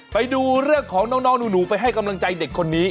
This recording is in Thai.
ไปดูเรื่องของน้องหนูไปให้กำลังใจเด็กคนนี้